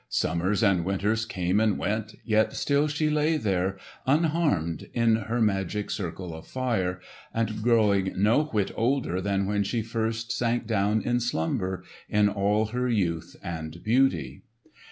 Summers and winters came and went, yet still she lay there unharmed in her magic circle of fire, and growing no whit older than when she first sank down in slumber, in all her youth and beauty.